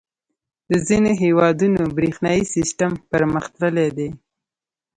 • د ځینو هېوادونو برېښنايي سیسټم پرمختللی دی.